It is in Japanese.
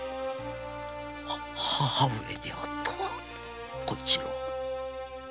母上に会ったら小一郎。